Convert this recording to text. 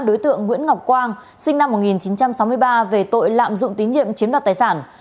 đối tượng nguyễn ngọc quang sinh năm một nghìn chín trăm sáu mươi ba về tội lạm dụng tín nhiệm chiếm đoạt tài sản